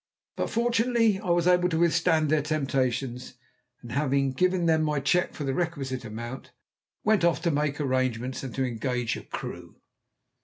But fortunately I was able to withstand their temptations, and having given them my cheque for the requisite amount, went off to make arrangements, and to engage a crew.